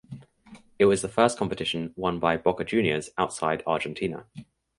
It was the first competition won by Boca Juniors outside Argentina.